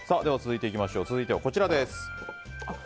続いてはこちらです。